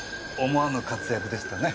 思わぬ活躍でしたね。